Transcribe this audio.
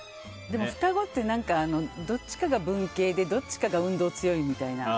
双子ってどっちかが文系でどっちかが運動強いみたいな。